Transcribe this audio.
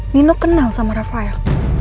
nino kenal sama rafael